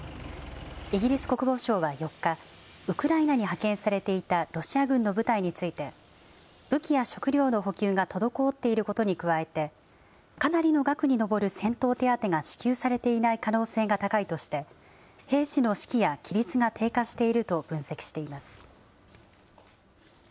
イギリス国防省は４日、ウクライナに派遣されていたロシア軍の部隊について、武器や食料の補給が滞っていることに加えて、かなりの額に上る戦闘手当が支給されていない可能性が高いとして、兵士の士気や規律が低下していると分析しています。